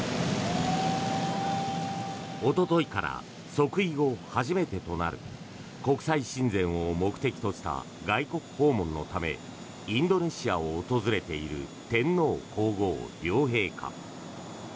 おとといから即位後初めてとなる国際親善を目的とした外国訪問のためインドネシアを訪れている天皇・皇后両陛下。